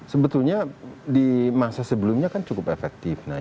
sebetulnya di masa sebelumnya kan cukup efektif